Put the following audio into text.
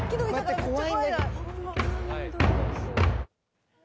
怖い。